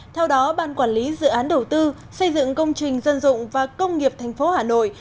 theo đó ban quản lý dự án đầu tư xây dựng công trình dân dụng và công nghiệp tp hà nội